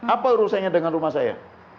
apa urusannya dengan rumah saya